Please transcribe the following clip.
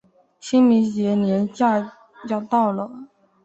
清明节连假要到了